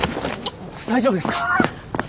大丈夫ですか！？